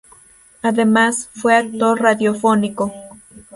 Además, fue actor radiofónico.